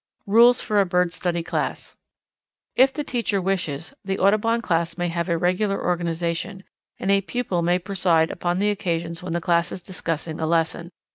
Rules for a Bird Study Class. If the teacher wishes, the Audubon Class may have a regular organization, and a pupil may preside upon the occasions when the class is discussing a lesson.